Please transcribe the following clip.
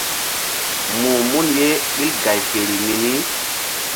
Muh mun ye ɓil gay feri mini.